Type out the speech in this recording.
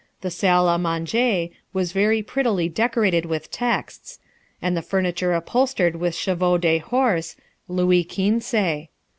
The salle à manger was very prettily decorated with texts, and the furniture upholstered with cheveux de horse, Louis Quinze.